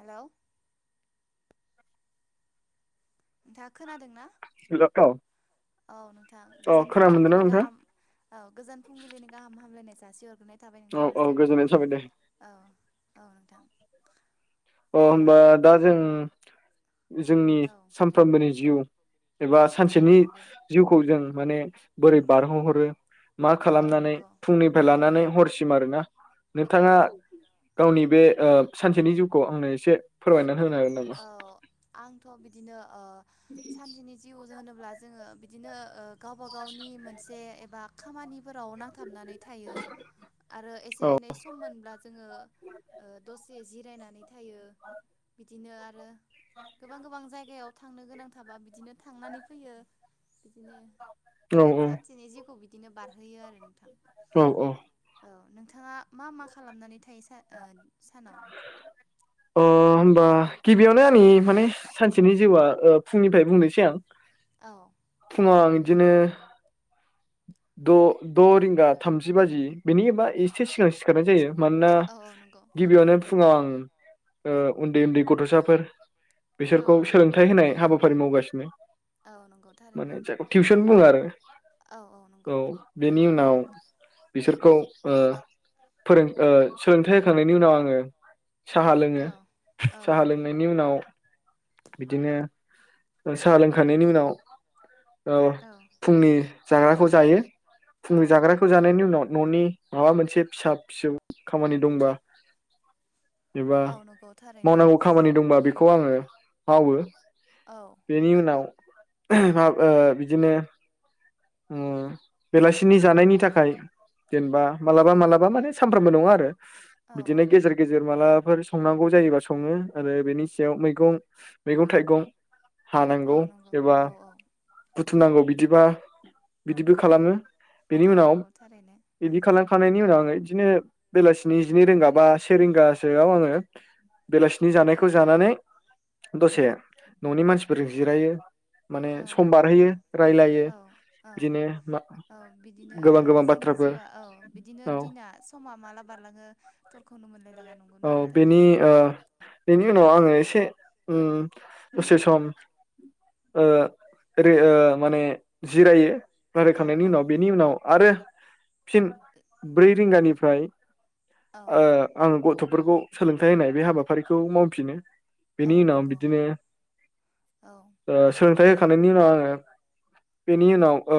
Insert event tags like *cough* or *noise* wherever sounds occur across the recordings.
Hello नोंथाङा खोनादों ना हेल' औ औ नोंथां अ गोजोन खोना मोनदोंना फुंबिलिनि नोंथां गाहाम औ गोजोन फुंबिलिनि गाहाम हामलायनायजों जासि हरग्रोनाय थाबाय औ-औ नोंथांनिसिम गोजोननाय थाबाय दे औ औ नोंथां अ होमबा दा जों जोंनि ओ सानफ्रोमबोनि जिउ एबा औ सानसेनि नंगौ जिउखौ जों माने बोरै बार' हो हरो मा औ खालामनानै नंगौ फुंनिफ्राय औ लानानै हरसिम आरोना औ नोंथाङा गावनि बे ओ सानसेनि जिउखो खौ आंनो एसे फोरमायनानै होनो हागोन औ नामा आंथ' बिदिनो ओ सानसेनि जिउ होनोब्ला जोङो बिदिनो ओ गावबा गावनि मोनसे एबा खामानिफोराव नां थाबनानै थायो आरो औ एसे-एनै सम मोनब्ला जोङो दसे जिरायनानै थायो। ओ आरो गोबां गोबां जायगायाव थांनो गोनां थांबा बिदिनो थांनानै फैयो बिदिनो औ सानसेनि जिउखौ खौ बिदिनो बारहोयो आरो नोंथां! औ औ। औ नोंथाङा मा मा खालामनानै थायो सो ओ सानाव अ होमबा गिबियावनो आंनि माने सानसेनि जिउआ ओ फुंनिफ्राय बुंनोसै आं। औ। फुंआव‌ आं इदिनो द' द' रिंगा थामजि बाजि बेनि एबा एसे सिगां सिखारनाय जायो मानोना औ औ नंगौ गिबियावनो फुङाव आं ओ उन्दै उन्दै गथ'साफोर औ बिसोरखौ सोलोंथाइ होनाय हाबा फोर मावगासिनो औ नंगौ थारैनो माने जायखौ टिउसन बुङो आरो औ औ नंगौ बेनि उन औ बिसोरखौ ओ फोरों ओ सोलोंथाइ होखांनायनि उनाव आङो साहा लोङो औ औ साहा नंगौ लोंनायनि उनाव बिदिनो साहा लोंखांनायनि उनाव औ फुंनि जाग्राखौ जायो। औ फुंनि जाग्राखौ जानायनि उनाव न'नि माबा मोनसे फिसा फिसौ खामानि दंबा एबा औ नंगौ थारैनो मावनांगौ खामानि दंबा बेखौ आङो मावो। औ बेनि उनाव *unintelligible* बिदिनो उम बेलासिनि जानायनि थाखाय जेनेबा मालाबा मालाबा माने सामफ्रामबो नङा आरो। औ औ बिदिनो गेजेर गेजेर माला फोर संनांगौ जायोबा सङो आरो बेनि सायाव मैगं मैगं थाइगं औ हानांगौ नंगौ एबा औ औ थुमनांगौ बिदिबा। बिदिबो खालामो। बेनि औ उनाव नंगौ थारैनो बिदि खालामखांनायनि उनाव *unintelligible* बिदिनो बेलासिनि जिनै रिंगा बा से रिंगासोआव आङो बेलासिनि जानायखौ जानानै दसे न'नि मानसिफोरजों जिरायो। माने औ सम नंगौ बारहोयो रायलायो। औ औ बिदिनो मा औ बिदिनो गोबां ओ गोबां जोंनि बाथ्राफोर जिउआ औ बिदिनो औ दिना समा माला बारलाङो *unintelligible* औ नोंथां बेनि ओ बेनि उनाव आङो एसे उम दसे सम ओ ओरै माने जिरायो औ रायलायखांनायनि औ उनाव औ बेनि उनाव आरो फिन ब्रै रिंगानिफ्राय औ ओ आं गथ' फोरखौ सोलोंथाइ होनाय बे हाबाफारिखौ मावफिनो। औ बेनि उनाव नंगौ बिदिनो औ ओ सोलोंथाइ होखांनायनि उनाव आङो बेनि उनाव ओ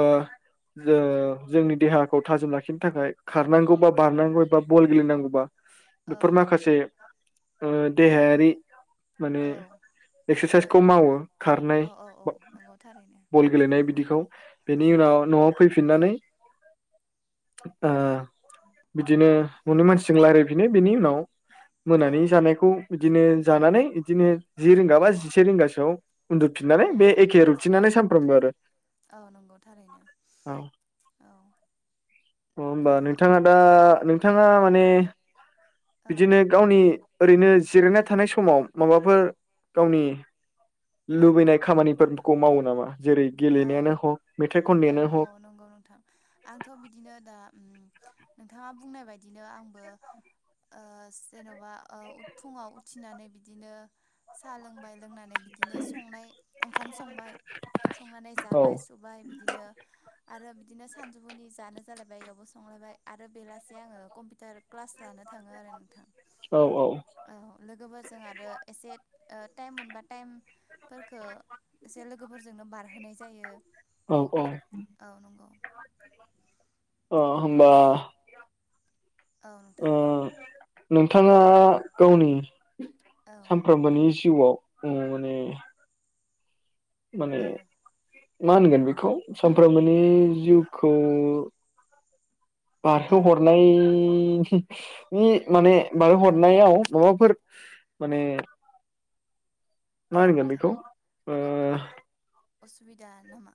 जोङो जोंनि देहाखौ थाजिम लाखिनो थाखाय खारनांगौ बा बारनांगौ एबा बल गेलेनांगौ बा औ औ नंगौ। ओ देहायारि मोने औ एक्सारसाइस खौ मावो। खारनाय औ औ औ नंगौ थारैनो बल गेलेनाय बिदिखौ औ बेनि उनाव न'आव फैफिननानै ओ बिदिनो न'नि मानसिजों रायलायफिनो बेनि उनाव *inaudible* औ मोनानि जानायखौ बिदिनो जानानै बिदिनो जि रिंगा बा जिसे रिंगासोआव उन्दुफिननानै औ बे एखे रुथिननानै सान फ्रोमबो आरो। औ नंगौ थारैनो औ औ अ होमबा नोंथाङा दा नोंथाङा माने औ बिदिनो गावनि ओरैनो जिरायना थानाय समाव माबाफोर गावनि औ लुबैनाय खामानिफोरखौ मावो नामा जेरै औ गेलेनायानो हक, मेथाइ औ खननायानो औ नंगौ नोंथां आंथ' हक बिदिनो दा उम नोंथाङा बुंनाय बायदिनो आंबो ओ जेन'बा ओ फुङाव उथिनानै बिदिनो साहा लोंबाय लोंनानै बिदिनो संनाय ओंखाम संबाय संनानै औ जाबाय सुबाय बिदिनो आरो बिदिनो सानजौफुनि जानो जालायबाय इयावबो संलायबाय आरो बेलासे आङो कम्पिउटार क्लास लानो थाङो आरो नोंथां औ औ लोगोफोरजों आरो एसे ओ टाइम मोनबा टाइम फोरखो एसे लोगोफोरजोंनो बारहोनाय जायो, औ औ औ नंगौ। अ होमबा औ ओ नोंथां। नोंथाङा गावनि। औ सानफ्रामबोनि। जिउआव ओ माने। माने। औ मा होनगोन बेखौ सानफ्रोमबोनि जिउखौ। औ बारहो नोंथां हरनाय ए माने बारो हरनायाव माबाफोर माने। औ मा होनगोन नोंथां बेखौ? ओ। असुबिदा नामा?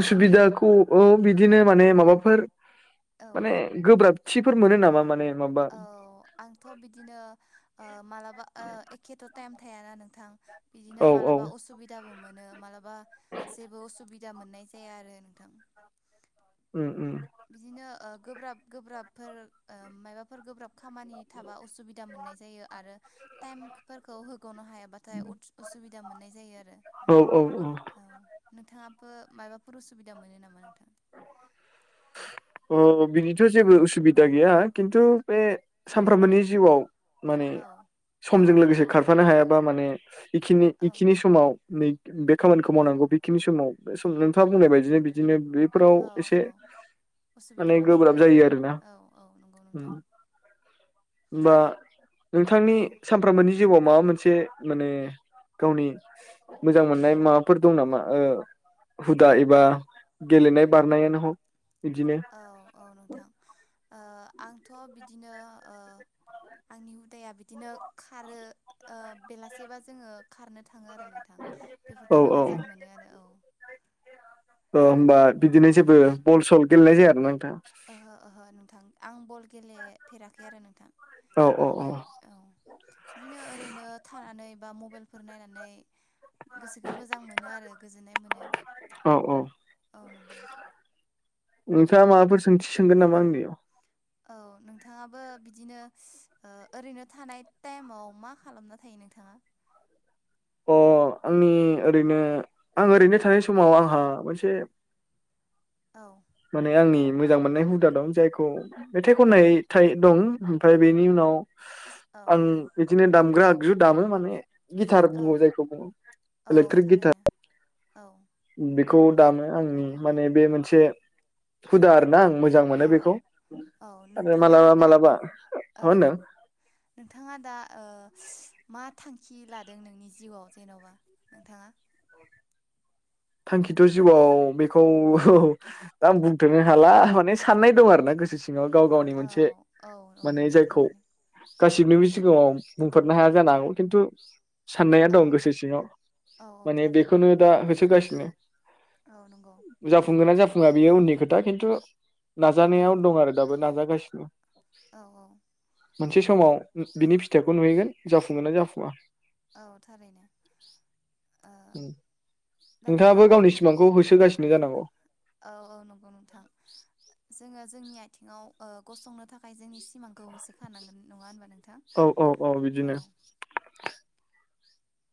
उसुबिदाखौ ओ बिदिनो माने माबाफोर। औ माने गोब्राब। थिफोर मोनो नामा माने? माबा औ आंथ' बिदिनो मालाबा एखेथ' टाइम थायाना नोंथां औ बिदिनो औ माबा असुबिदाबो मोनो मालाबा जेबो असुबिदा मोननाय जाया आरो नोंथां उम उम बिदिनो ओ गोब्राब गोब्राबफोर ओ मायबाफोर गोब्राब खामानि थाबा असुबिदा मोननाय जायो आरो टाइमफोरखौ हो ख'नो हायाबाथाय उसुबिदा मोननाय जायो आरो औ औ औ नोंथाङा माबाफोर उसुबिदा मोनो नामा नोंथां अ बिदिथ' जेबो उसुबिदा गैया खिन्थु बे सानफ्रोमबोनि जिउआव माने औ समजों लोगोसे खारफानो हायाबा माने बेखिनि औ बेखिनि समाव नै बे खामानिखौ मावनांगौ बेखिनि समाव सम नोंथाङा बुंनाय बायदिनो बिदिनो बे फोराव औ एसे औ उसुबिदा माने मोननाय गोब्राब जायो आरो आरोना औ औ नंगौ नोंथां होनबा नोंथांनि औ सानफ्रामबोनि जिउआव माबा मोनसे माने गावनि मोजां मोननाय माबाफोर दं नामा हुदा एबा गेलेनाय बारनायानो हग औ औ नोंथां ओ आंथ' बिदिनो आंनि हुदाया बिदिनो खारो बेलासेबा जोंङो खारनो थांङो आरो नोंथां औ बेफोरखौनो औ मोजां मोनो आरो औ अ होमबा बिदिनो जेबो बल सल गेलेनाय जाया आरोना नो ओहो ओहो नोंथां आं बल गेलेफेराखै आरो नोंथां औ औ औ बिदिनो ओरैनो थानानै बा मबाइलफोर नायनानै गोसोखौ मोजां मोनो आरो गोजोननाय मोनो औ औ औ नंगौ नोंथाङा माबाफोर सोंथि सोंगोन नामा आंनियाव औ नोंथाङाबो बिदिनो ओरैनो थानाय टाइमाव मा खालामना थायो नोंथाङा? अ आंनि ओरैनो आं ओरैनो थानाय समाव आंहा मोनसे औ माने आंनि मोजां मोननाय हुदा दं जायखौ मेथाइ खननाय थाइ दं ओमफ्राय बेनि उनाव औ आं नंगौ बिदिनो दामग्रा जु दामो माने गिथार औ जायखौ औ औ इलेक्ट्रिक गिथार थारैनो औ बेखौ दामो आंनि माने बे मोनसे हुदा आरो ना आं मोजां मोनो औ औ बेखौ औ आरो नोंथाङा मालाबा दा मालाबा मा औ होनदों नोंथाङा दा ओ मा थांखि लादों नोंनि जिउआव जेन'बा नोंथाङा थांखिथ' जिउआव बेखौ आं बुंथनो हाला माने साननाय दं आरोना गोसो सि सिङाव गाव गावनि औ मोनसे औ औ माने नंगौ जायखौ थारैनो गाससिनिबो सिगाङाव बुंफोरनो हाया जानो हागौ खिनतु साननाया औ दं गोसो सिङाव औ औ माने थारैनो बेखौनो दा होसोगासिनो बिनो औ नंगौ जाफुंगोन ना जाफुङा बेयो उननि खोथा खिन्तु नाजानायाव दं आरो दाबो नाजागासिनो आ औ औ मोनसे समाव बिनि फिथाइखौ नुहैगोन जाफुङोन ना जाफुङा औ थारैनो ओ दा नोंथाङा नोंथाङाबो गावनि मायबाफोर सिमांखौ होसोगासिनो जानांगौ औ औ नंगौ नोंथां जोङो जोंनि आथिङाव गसंनो थाखाय जोंनि सिमांखौ होसोखानांगोन नङा होनबा नों औ औ औ बिदिनो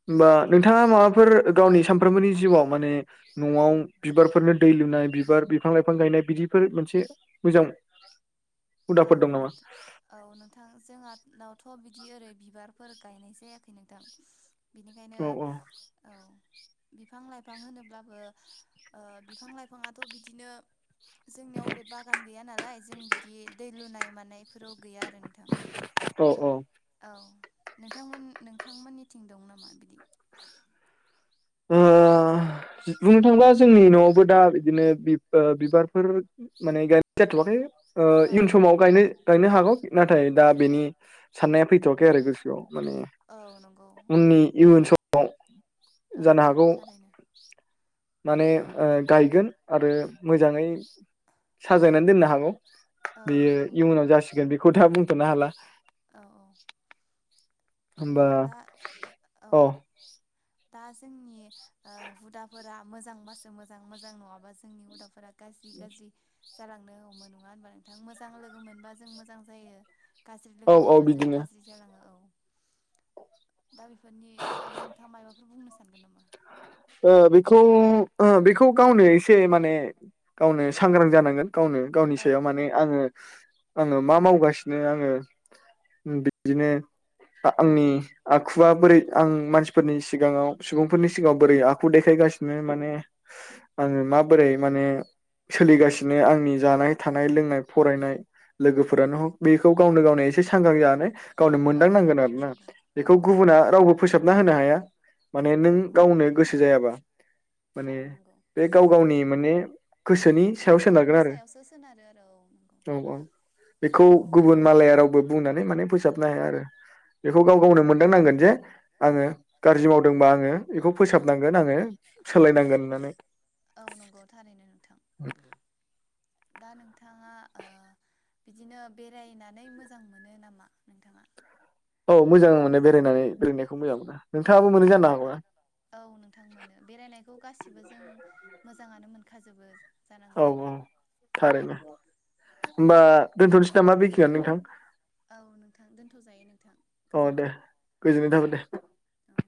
होमबा औ नोंथाङा माबाफोर गावनि सानफ्रोमबोनि जिउआव माने न'आव बिबारफोरनो दै लुनाय बिबार बिफां लाइफां गायनाय बिदिफोर मोनसे मोजां औ हुदाफोर दं नामा? औ नोंथां जोंनावथ' बिदि बिदि ओरै बिबारफोर गायनाय जायाखै नोंथां बिनिखायनो औ औ। बिफां लाइफां होनोब्लाबो ओ बिफां लाइफाङाथ' बिदिनो जोंनियाव ओरै बागान गैया नालाय जों बिदि दै लुनाय मानाय फोराव गैया आरो नोंथां। औ औ औ नोंथांमोन नोंथांमोननिथिं दं नामा बिदि ओ बुंनो थाङोबा जोंनि न'आवबो दा बिदिनो बि-बिबारफोर माने गाय *unintelligible* जाथ'वाखै। ओ औ इयुन नंगौ। समाव गायनो गायनो हागौ। ना थाय दा नाथाय बेनि बेनि साननाया फैथ'वाखै आरो गोसोआव। माने औ नंगौ औ उननि इयुन स *unintelligible* औ जानो हागौ थारैनो माने ओ गायगोन आरो मोजाङै साजायनानै दोननो हागौ। औ बेयो नंगौ। इउनाव जासिगोन बि खोथा बुंथ'नो हाला। औ औ। होमबा दा औ अ। दा जोंनि ओ हुदाफोरा मोजांबासो मोजां। मोजां नङाबा जोंनि हुदाफोरा गाज्रि गाज्रि जालांनो हमो नङा होनबा नोंथां। मोजां लोगो मोनबा जों मोजां जायो। गाज्रि औ लोगो औ मोनबा जों बिदिनो गाज्रि जालाङो औ। दा बेफोरनि बागै नोंथाङा मायबाफोर बुंनो सानगोन नामा? ओ बेखौ ओ बेखौ गावनो एसे माने गावनो सांग्रां जानांगोन। गावनो गावनि औ सायाव माने औ आङो आङो मा मावगासिनो आङो बिदिनो औ आंनि आखुआ बोरै आं मानसिफोरनि सिगाङाव सुबुंफोरनि सिगाङाव बोरै आखु देखायगासिनो माने आङो माबोरै माने सोलिगासिनो आंनि जानाय, थानाय, लोंनाय, फरायनाय लोगोफोरानो हक बेखौ गावनो गावनो एसे सांग्रां जानानै गावनो औ मोनदांनांगोन थारैनो आरो ना। नंगौ औ बेखौ औ गुबुना नंगौ रावबो थारैनो फोसाबना होनो हाया। माने औ नों नंगौ गावनो गोसो जायाबा औ माने नंगौ बे गाव गावनि माने गोसोनि गाव सायाव सोनारगोन गावनि आरो सायावसो सोनारो आरो औ नंगौ औ औ। औ बेखौ गुबुन मालाया रावबो बुंनानै माने फो साबनो हाया आरो बेखौ औ गाव गावनो नंगौ मोनदांनांगोन जे आङो गाज्रि मावदोंबा आङो बेखौ फोसाबनांगोन आङो सोलायनांगोन होननानै। औ नंगौ थारैनो नोंथां औ। दा नोंथाङा ओ बिदिनो बेरायनानै मोजां मोनो नामा नोंथाङा? औ मोजां मोनो बेरायनानै बेरायनायखौ मोजां मोनो नोंथाङाबो मोनो जानो हागौ ना। औ नोंथां मोनो बेरायनायखौ गासि खौबो जों मोजाङानो मोनखाजोबो। औ जानांगौ औ औ थारैनो होमबा औ दोनथ'नोसै नामा बेखियानो नोंथां औ नोंथां दोनथ'जायो नोंथां औ दे गोजोन्थों गोजोननाय थाबाय दे। औ औ